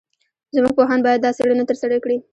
زموږ پوهان باید دا څېړنه ترسره کړي.